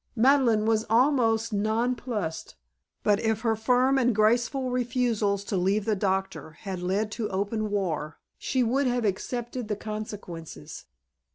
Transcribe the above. Madeleine was almost nonplussed, but if her firm and graceful refusals to leave the doctor had led to open war she would have accepted the consequences.